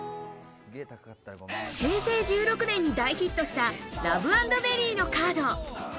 平成１６年に大ヒットした「ラブａｎｄベリー」のカード。